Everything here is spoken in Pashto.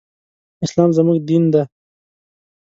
اسلام زموږ دين دی